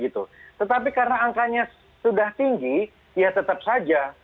tetapi karena angkanya sudah tinggi ya tetap saja